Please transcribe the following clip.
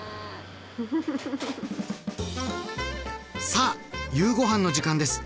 さあ夕ごはんの時間です！